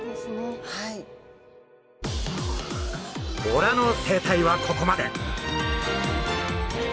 ボラの生態はここまで。